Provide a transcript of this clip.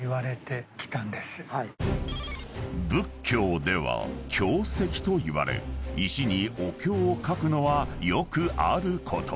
［仏教では経石といわれ石にお経を書くのはよくあること］